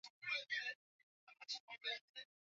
Yeye aliuawa papo hapo Ilikuwa hivi